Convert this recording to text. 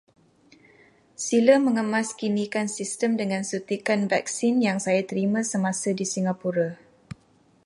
Sila mengemaskinikan sistem dengan suntikan vaksin yang saya terima semasa di Singapura.